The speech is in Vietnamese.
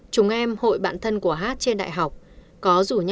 chúng em hội bạn thân của hát trên đại học